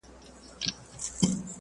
مثبت معلومات او ښه تاثیرات جذب کړئ.